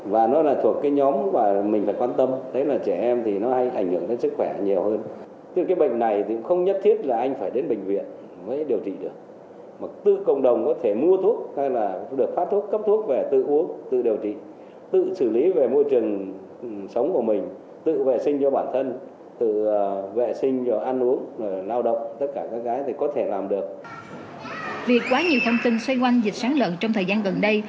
việc quá nhiều thông tin xoay quanh dịch sán lợn trong thời gian gần đây